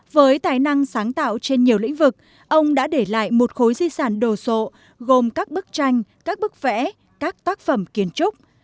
với tài năng sáng tạo trên nhiều lĩnh vực ông đã để lại một khối di sản đồ sộ gồm các bức tranh các bức vẽ các tác phẩm kiến trúc